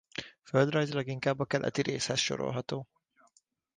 Földrajzilag inkább a keleti részhez sorolható.